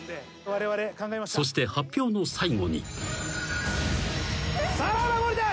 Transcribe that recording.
［そして発表の最後に］